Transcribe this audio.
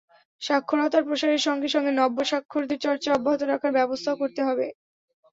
সাক্ষরতার প্রসারের সঙ্গে সঙ্গে নব্য সাক্ষরদের চর্চা অব্যাহত রাখার ব্যবস্থাও করতে হবে।